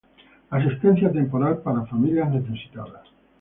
Asistencia Temporal para Familias Necesitadas